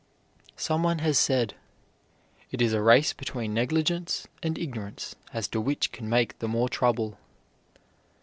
Some one has said: "It is a race between negligence and ignorance as to which can make the more trouble."